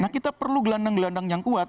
jadi kita perlu gelandang gelandang yang kuat